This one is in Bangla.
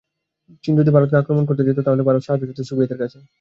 চীন যদি ভারতকে আক্রমণ করতে যেত, তাহলে ভারত সাহায্য চাইত সোভিয়েতের কাছে।